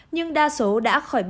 nhưng đa số đã khó